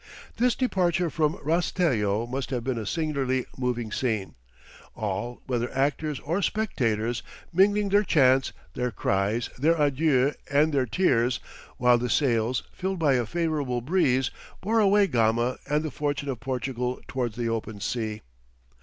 This departure from Rastello must have been a singularly moving scene; all, whether actors or spectators, mingling their chants, their cries, their adieux and their tears, while the sails, filled by a favourable breeze, bore away Gama and the fortune of Portugal towards the open sea.